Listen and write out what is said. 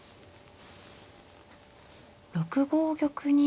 ６五玉に。